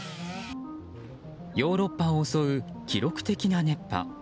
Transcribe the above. ヨーロッパを襲う記録的な熱波。